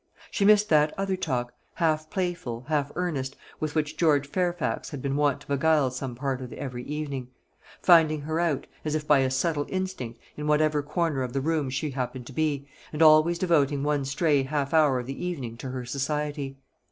She missed that other talk, half playful, half earnest, with which George Fairfax had been wont to beguile some part of every evening; finding her out, as if by a subtle instinct, in whatever corner of the room she happened to be, and always devoting one stray half hour of the evening to her society.